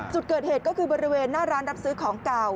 จุดเกิดเหตุก็คือบริเวณหน้าร้านรับซื้อของเก่า